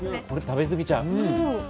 これ食べ過ぎちゃう。